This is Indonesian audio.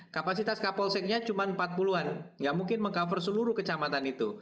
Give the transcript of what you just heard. kapasitas kapolseknya cuma empat puluh an yang mungkin meng cover seluruh kecamatan itu